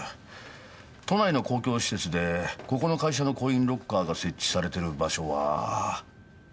都内の公共施設でここの会社のコインロッカーが設置されてる場所は。